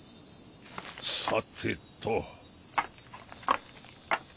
さてと。